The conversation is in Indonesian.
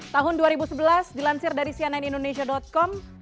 tahun dua ribu sebelas dilansir dari cnnindonesia com